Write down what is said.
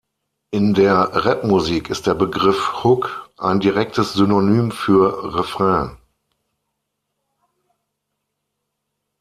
In der Rapmusik ist der Begriff "Hook" ein direktes Synonym für "Refrain".